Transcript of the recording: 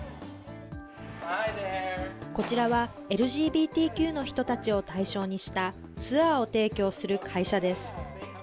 こちらはＬＧＢＴＱの人たちを対象にしたツアーを提供する会社です。